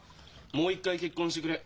「もう一回結婚してくれ。